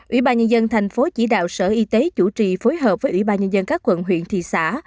ủy ban nhân dân thành phố chỉ đạo sở y tế chủ trì phối hợp với ủy ban nhân dân các quận huyện thị xã